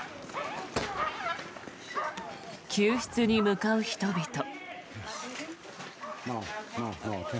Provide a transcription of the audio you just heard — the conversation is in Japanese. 救出に向かう人々。